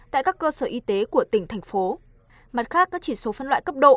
tại các cơ sở y tế của tỉnh thành phố mặt khác các chỉ số phân loại cấp độ